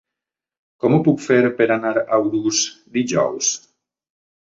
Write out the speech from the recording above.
Com ho puc fer per anar a Urús dijous?